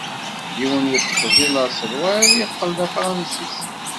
Yiwen yeṭṭef deg laṣel, wayeḍ yeqqel d Afransis.